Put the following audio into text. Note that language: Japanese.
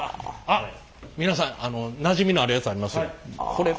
あっ皆さんあのなじみのあるやつありますよ。